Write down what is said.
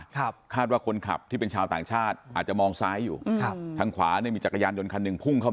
อีกนะครับตายสองเจ็บสาหัดหนึ่งไปดูเหตุการณ์ที่เกิดขึ้นนะครับ